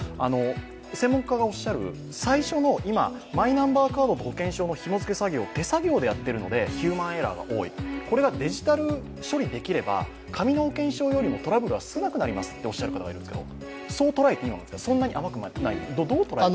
専門家がおっしゃる、最初のマイナンバーカードと保険証の紐づけを手作業でやっているのでヒューマンエラーが多い、これがデジタル処理できれば紙の保険証よりもトラブルが少なくなりますっておっしゃる方がいますけどそう捉えていいんですか、そんなに甘くない？